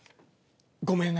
ごめんな。